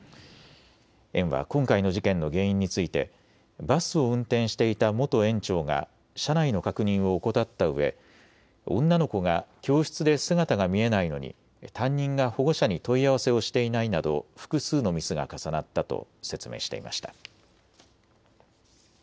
園は今回の事件の原因についてバスを運転していた元園長が車内の確認を怠ったうえ女の子が教室で姿が見えないのに担任が保護者に問い合わせをしていないなど複数のミスが重なったと説明していました。